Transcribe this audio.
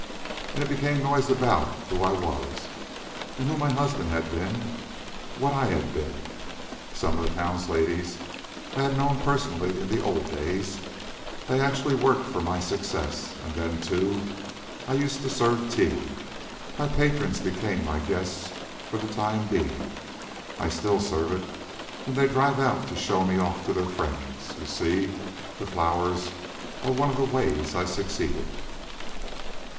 And it became noised about who I was, and who my husband had been, what I had been. Some of the townsladies I had known personally in the old days. They actually worked for my success. And then, too, I used to serve tea. My patrons became my guests for the time being. I still serve it, when they drive out to show me off to their friends. So you see, the flowers are one of the ways I succeeded."